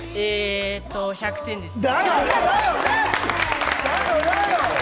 １００点ですね！